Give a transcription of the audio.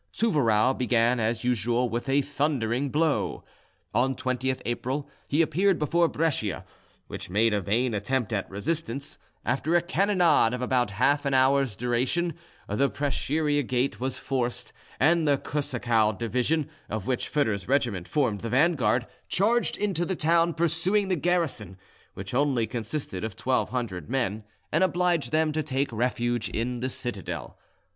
Souvarow began as usual with a thundering blow. On 20th April he appeared before Brescia, which made a vain attempt at resistance; after a cannonade of about half an hour's duration, the Preschiera gate was forced, and the Korsakow division, of which Foedor's regiment formed the vanguard, charged into the town, pursuing the garrison, which only consisted of twelve hundred men, and obliged them to take refuge in the citadel.